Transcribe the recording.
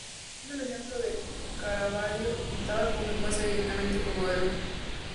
Siguiendo el ejemplo de Caravaggio, pintaba con frecuencia directamente con modelos.